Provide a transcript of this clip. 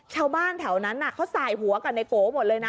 ชาวบ้านแถวนั้นเขาสายหัวกับในโกหมดเลยนะ